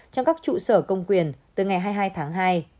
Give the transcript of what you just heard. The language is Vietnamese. trong các trụ sở công quyền từ ngày hai mươi hai tháng hai